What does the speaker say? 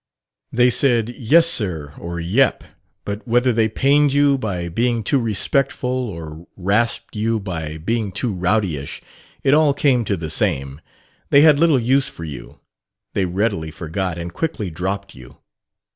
They said "Yes, sir," or "Yep;" but whether they pained you by being too respectful or rasped you by being too rowdyish, it all came to the same: they had little use for you; they readily forgot and quickly dropped you.